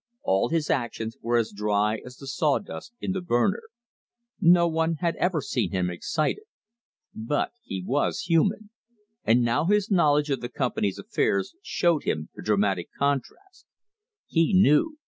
All his actions were as dry as the saw dust in the burner. No one had ever seen him excited. But he was human; and now his knowledge of the Company's affairs showed him the dramatic contrast. HE KNEW!